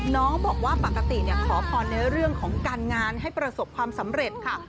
น้องบอกว่าปกติขอพรในเรื่องของการงานให้ประสบความสำเร็จค่ะ